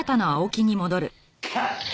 勝った！